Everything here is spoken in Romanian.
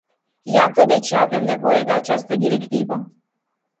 Iată de ce avem nevoie de această directivă.